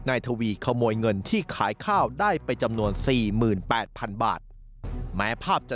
ทวีขโมยเงินที่ขายข้าวได้ไปจำนวน๔๘๐๐๐บาทแม้ภาพจะ